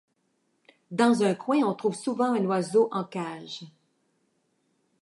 Dans un coin, on trouve souvent un oiseau en cage.